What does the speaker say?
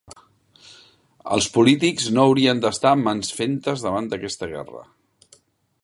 Els polítics no haurien d'estar mans fentes davant aquesta guerra.